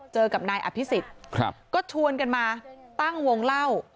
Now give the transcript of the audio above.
เจอกับนายอภิษฎก็ชวนกันมาตั้งวงเล่า